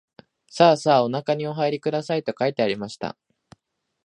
さあさあおなかにおはいりください、と書いてありました